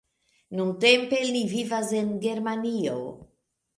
Nuntempe li vivas en Germanio.